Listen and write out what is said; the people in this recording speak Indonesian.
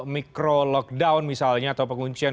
mikro lockdown misalnya atau penguncian